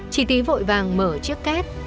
chị tí vội vàng mở chiếc cát